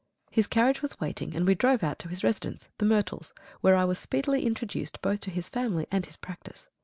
His carriage was waiting, and we drove out to his residence, The Myrtles, where I was speedily introduced both to his family and his practice.